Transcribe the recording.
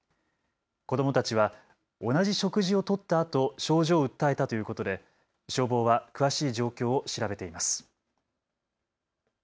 子どもたちは同じ食事をとったあと症状を訴えたということで消防は詳しい状況を調べています。